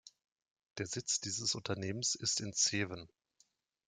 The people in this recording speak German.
Der Sitz dieses Unternehmens ist in Zeven.